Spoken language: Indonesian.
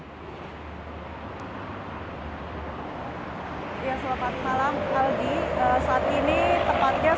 ya selamat malam